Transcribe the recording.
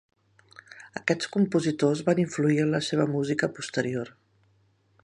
Aquests compositors van influir en la seva música posterior.